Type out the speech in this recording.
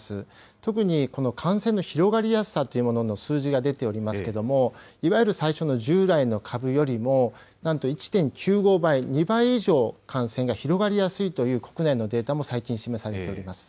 特に感染の広がりやすさというものの数字が出ておりますけれども、いわゆる最初の従来の株よりも、なんと１．９５倍、２倍以上感染が広がりやすいという、国内のデータも最近示されております。